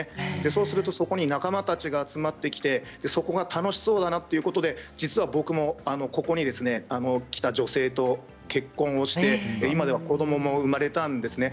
そうすると、そこに仲間たちが集まってきてそこが楽しそうだなということで実は僕もそこに来た女性と結婚して、今では子どもも生まれたんですね。